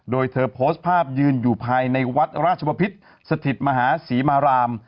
โดยเธอโพสต์ภาพยืนอยู่ภายในวัดราชบพิษสถิตมหาศรีมาราม